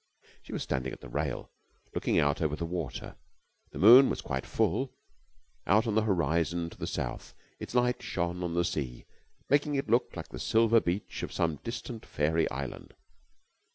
She was standing at the rail, looking out over the water. The moon was quite full. Out on the horizon to the south its light shone on the sea, making it look like the silver beach of some distant fairy island.